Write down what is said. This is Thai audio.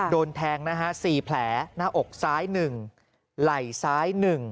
โดนแทงนะฮะ๔แผลหน้าอกซ้าย๑ไหล่ซ้าย๑